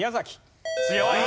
強い！